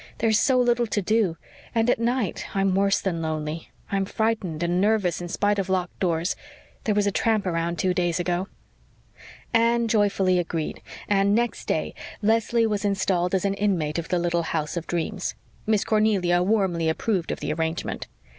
There's so little to do and at night I'm worse than lonely I'm frightened and nervous in spite of locked doors. There was a tramp around two days ago." Anne joyfully agreed, and next day Leslie was installed as an inmate of the little house of dreams. Miss Cornelia warmly approved of the arrangement.